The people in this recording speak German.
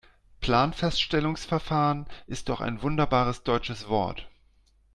Planfeststellungsverfahren ist doch ein wunderbares deutsches Wort.